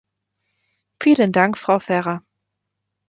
Vielen Dank, Frau Ferrer.